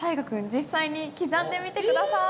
実際に刻んでみて下さい。